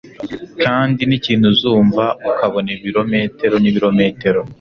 kandi nikintu uzumva ukabona ibirometero n'ibirometero